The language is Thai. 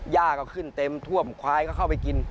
ยาก็ขึ้นเต็มทั่วป่องคว้ายเขาก็เข้าไปกิน